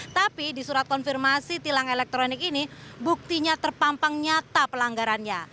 tapi di surat konfirmasi tilang elektronik ini buktinya terpampang nyata pelanggarannya